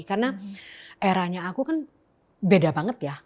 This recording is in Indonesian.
karena eranya aku kan beda banget ya